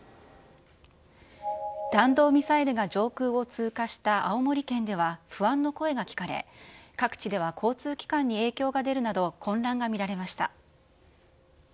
弾道ミサイルが上空を通過した青森県では、不安の声が聞かれ、各地では交通機関に影響が出るなど、混乱が見られました。